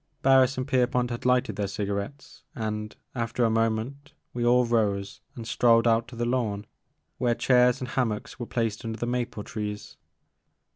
Harris and Pierpont had lighted their cigarettes and, after a moment, we all rose and strolled out to the lawn, where chairs and hammocks were placed under the maple trees.